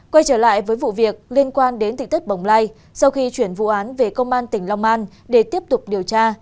quay trở lại với vụ việc liên quan đến thị tết bồng lai sau khi chuyển vụ án về công an tỉnh long an để tiếp tục điều tra